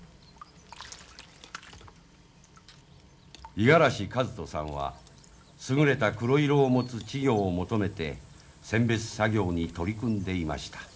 五十嵐千人さんは優れた黒色を持つ稚魚を求めて選別作業に取り組んでいました。